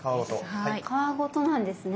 皮ごとなんですね。